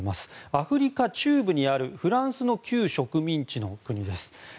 アフリカ中部にあるフランスの旧植民地の国です。